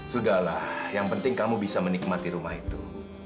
sudahlah yang penting kamu bisa menikmati rumah itu